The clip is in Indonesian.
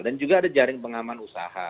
dan juga ada jaring pengaman usaha